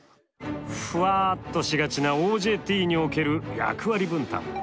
ふわっとしがちなＯＪＴにおける役割分担。